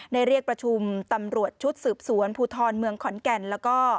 เรียกประชุมตำรวจชุดสืบสวนภูทรเมืองขอนแก่นแล้วก็